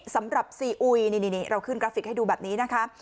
สำหรับซีอุยนี่เราขึ้นกราฟิกให้ดูแบบนี้นะคะ